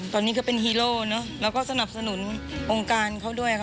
ตอนนี้ก็เป็นฮีโร่เนอะแล้วก็สนับสนุนองค์การเขาด้วยค่ะ